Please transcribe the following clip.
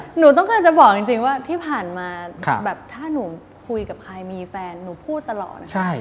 หนูต้องการจะบอกจริงว่าที่ผ่านมาแบบถ้าหนูคุยกับใครมีแฟนหนูพูดตลอด